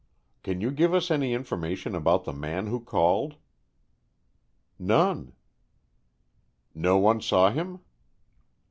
"Can you give us any information about the man who called?" "None." "No one saw him?"